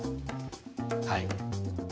はい。